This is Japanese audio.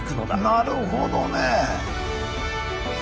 なるほどね。